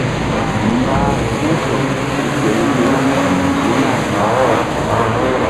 Mbah kuhsol gi keni hi̧na mí nah lak.